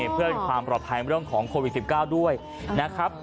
เพื่อความปลอดภัยเรื่องของโควิด๑๙ด้วยนะครับ